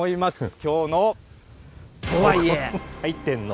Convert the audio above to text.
きょうの、とは言え。